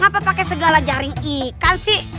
apa pakai segala jaring ikan sih